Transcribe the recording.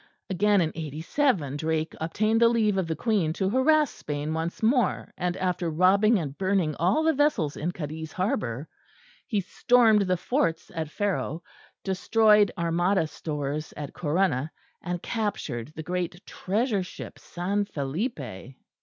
Again in '87 Drake obtained the leave of the Queen to harass Spain once more, and after robbing and burning all the vessels in Cadiz harbour, he stormed the forts at Faro, destroyed Armada stores at Corunna, and captured the great treasure ship San Felipe.